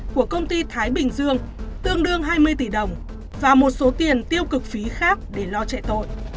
của công ty thái bình dương tương đương hai mươi tỷ đồng và một số tiền tiêu cực phí khác để lo chạy tội